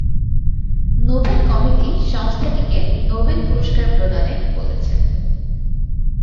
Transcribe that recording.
Nobel committee সংস্থাটিকে Nobel পুরস্কার প্রদানে বলেছে,